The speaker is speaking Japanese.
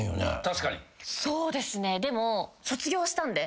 そうですねでも。